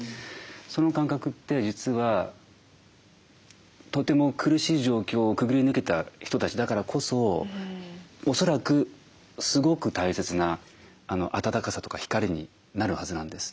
その感覚って実はとても苦しい状況をくぐり抜けた人たちだからこそおそらくすごく大切な温かさとか光になるはずなんです。